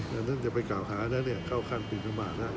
โอ้ยอันนั้นจะไปกล่าวขานะเนี่ยเคร้าขั้นปินระมาทอะโอ้ย